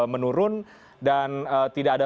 menurun dan tidak ada